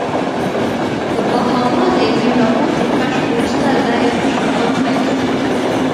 د باهاما د یوې ټاپو تر کشف وروسته دا اکتشافات پیل شول.